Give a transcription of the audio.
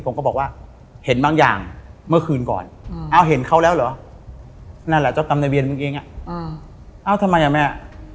ผมก็บอกว่าเห็นบางอย่างเมื่อคืนก่อนเอ้าเห็นเขาแล้วเหรอนั่นแหละเจ้ากรรมในเวียนมึงเองอ่ะเอ้าทำไมอ่ะแม่